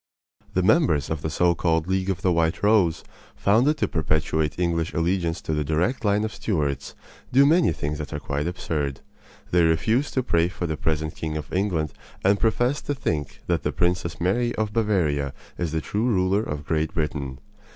The members of the so called League of the White Rose, founded to perpetuate English allegiance to the direct line of Stuarts, do many things that are quite absurd. They refuse to pray for the present King of England and profess to think that the Princess Mary of Bavaria is the true ruler of Great Britain.